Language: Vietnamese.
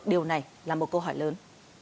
điều này là một câu hỏi lớn